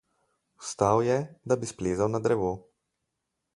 Vstal je, da bi splezal na drevo.